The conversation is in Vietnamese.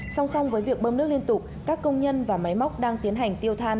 song song với việc bơm nước liên tục các công nhân và máy móc đang tiến hành tiêu than